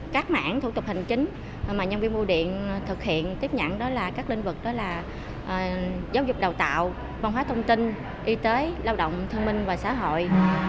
các mảng thủ tục hành chính mà nhân viên bưu điện thực hiện tiếp nhận đó là các lĩnh vực đó là giáo dục đào tạo văn hóa thông tin y tế lao động thông minh và xã hội